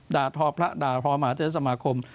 ด่าทอพระด่าทอมหาเทศสมาคม